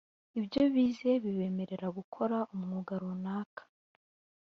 ibyobize bibemerera gukora umwuga runaka.